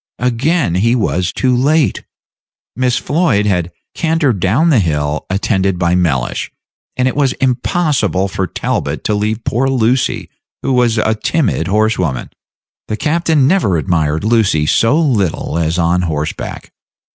Again he was too late; Miss Floyd had cantered down the hill attended by Mellish, and it was impossible for Talbot to leave poor Lucy, who was a timid horsewoman. The captain never admired Lucy so little as on horseback.